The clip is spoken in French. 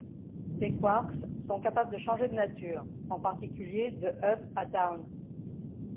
Ces quarks sont capables de changer de nature, en particulier de up à down.